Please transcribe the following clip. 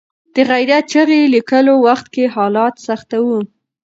د غیرت چغې لیکلو وخت کې حالات سخت وو.